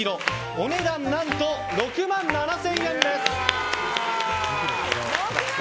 お値段、何と６万７０００円です。